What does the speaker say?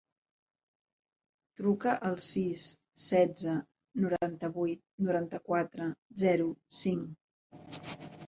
Truca al sis, setze, noranta-vuit, noranta-quatre, zero, cinc.